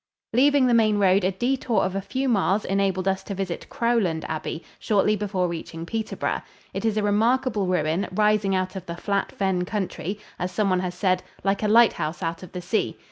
Leaving the main road a detour of a few miles enabled us to visit Crowland Abbey shortly before reaching Peterborough. It is a remarkable ruin, rising out of the flat fen country, as someone has said, "like a light house out of the sea."